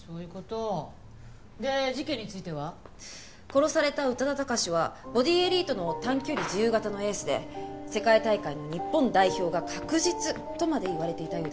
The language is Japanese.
殺された宇多田貴史はボディエリートの短距離自由形のエースで世界大会の日本代表が確実とまで言われていたようです。